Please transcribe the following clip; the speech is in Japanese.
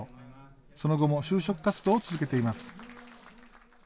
その後も就職活動を続けています。